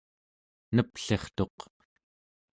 neplirtuq